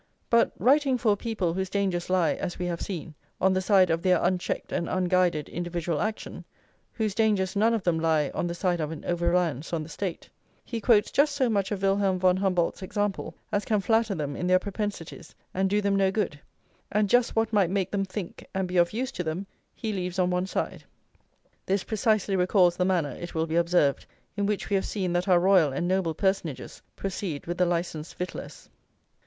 But, writing for a people whose dangers lie, as we have seen, on the side of their unchecked and unguided individual action, whose dangers none of them lie on the side of an over reliance on the State, he quotes just so much of Wilhelm von Humboldt's example as can flatter them in their propensities, and do them no good; and just what might make them think, and be of use to them, he leaves on one side. This precisely recalls the manner, it will be observed, in which we have seen that our royal and noble personages proceed with the Licensed Victuallers.